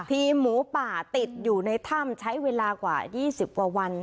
ทีมหมูป่าติดอยู่ในถ้ำใช้เวลากว่า๒๐กว่าวัน